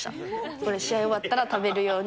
これ、試合終わったら食べるように。